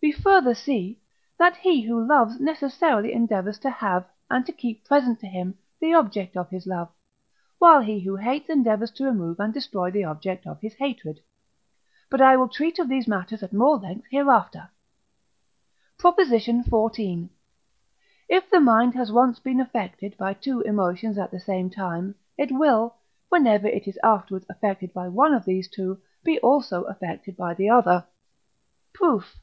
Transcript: We further see, that he who loves necessarily endeavours to have, and to keep present to him, the object of his love; while he who hates endeavours to remove and destroy the object of his hatred. But I will treat of these matters at more length hereafter. PROP. XIV. If the mind has once been affected by two emotions at the same time, it will, whenever it is afterwards affected by one of these two, be also affected by the other. Proof.